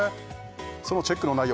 そのチェックの内容